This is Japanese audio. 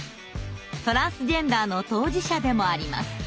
トランスジェンダーの当事者でもあります。